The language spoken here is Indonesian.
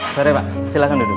sorry pak silahkan duduk